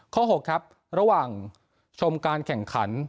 ข้อ๖ครับระหว่างชมการแข่งขัน